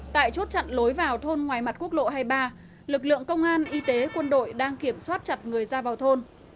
tại chốt chặn lối vào thôn ngoài mặt quốc lộ hai mươi ba lực lượng công an y tế quân đội đang kiểm soát chặt người ra vào thôn